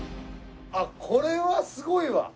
これはすごいわ。